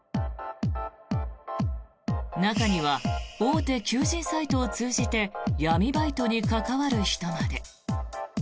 中には大手求人サイトを通じて闇バイトに関わる人まで。